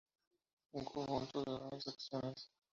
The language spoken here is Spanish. Un conjunto de buenas acciones.